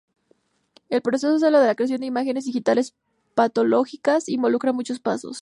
El proceso de la creación de imágenes digitales patológicas involucra muchos pasos.